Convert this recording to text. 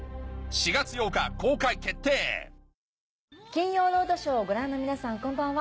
『金曜ロードショー』をご覧の皆さんこんばんは。